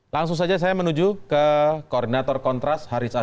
atau saya snek sebutnya apa sih